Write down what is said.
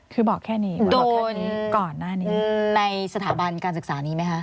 คือบอกแค่นี้ว่าบอกแค่นี้โดนในสถาบันการศึกษานี้ไหมคะ